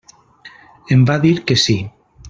Em va dir que sí.